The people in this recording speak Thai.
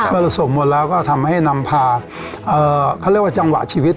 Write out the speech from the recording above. เราส่งหมดแล้วก็ทำให้นำพาเขาเรียกว่าจังหวะชีวิต